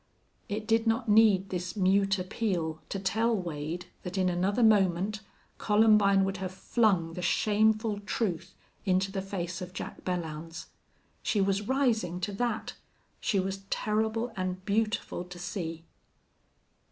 It did not need this mute appeal to tell Wade that in another moment Columbine would have flung the shameful truth into the face of Jack Belllounds. She was rising to that. She was terrible and beautiful to see.